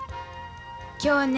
今日ね